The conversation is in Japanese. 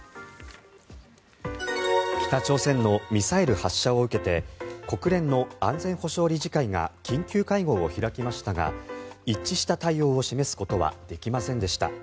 北朝鮮のミサイル発射を受けて国連の安全保障理事会が緊急会合を開きましたが一致した対応を示すことはできませんでした。